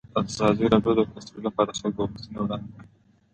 ازادي راډیو د کلتور لپاره د خلکو غوښتنې وړاندې کړي.